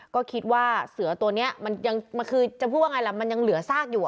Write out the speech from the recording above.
ก็คิดว่าเสือตัวนี้มันยังคือจะพูดว่าไงล่ะมันยังเหลือซากอยู่